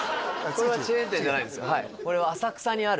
これはチェーン店じゃないです